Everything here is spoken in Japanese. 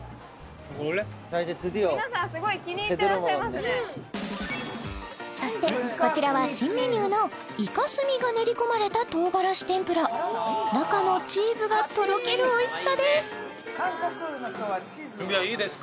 皆さんすごい気に入ってらっしゃいますねそしてこちらは新メニューのイカ墨が練り込まれた唐辛子天ぷら中のチーズがとろけるおいしさですいいです